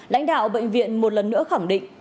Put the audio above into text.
lãnh đạo bệnh viện một lần nữa khẳng định